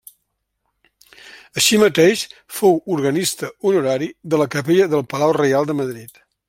Així mateix, fou organista honorari de la Capella del Palau Reial de Madrid.